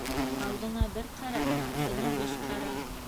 Алдыңа бер ҡара. артыңа биш ҡара.